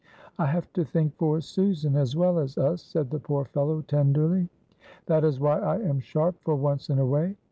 "I have to think for Susan as well as us," said the poor fellow, tenderly, "that is why I am sharp for once in a way.